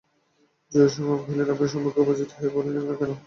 জয়সিংহ কহিলেন, আপনি সম্মুখে উপস্থিত হইয়া বলিলেন না কেন?